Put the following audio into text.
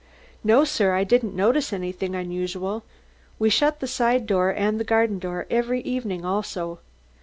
"No, sir. I didn't notice anything unusual. We shut the side door, the garden door, every evening, also.